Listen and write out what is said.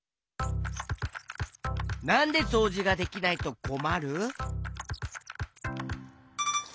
なんでそうじができないとこまる？